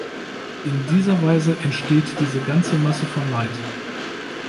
In dieser Weise entsteht diese ganze Masse von Leid.